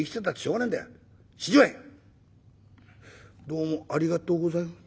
「どうもありがとうございま」。